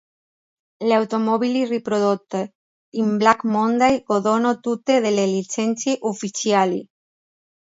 Le automobili riprodotte in Black Monday godono tutte delle licenze ufficiali.